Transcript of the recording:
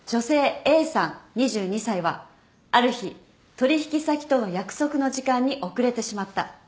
２２歳はある日取引先との約束の時間に遅れてしまった。